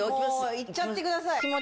もういっちゃってください